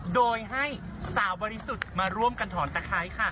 โดยให้สาวบริสุทธิ์มาร่วมกันถอนตะไคร้ค่ะ